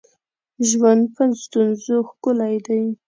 ژوند په ستونزو ښکلی دی